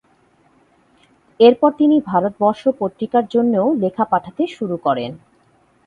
এরপর তিনি 'ভারতবর্ষ' পত্রিকার জন্যেও লেখা পাঠাতে শুরু করেন।